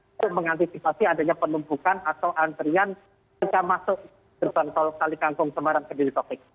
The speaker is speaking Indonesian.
untuk mengantisipasi adanya penumpukan atau antrian bisa masuk gerbang tol kali kangkung semarang ke jokowi